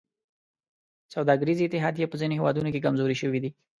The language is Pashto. سوداګریزې اتحادیې په ځینو هېوادونو کې کمزورې شوي دي